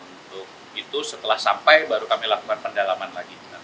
untuk itu setelah sampai baru kami lakukan pendalaman lagi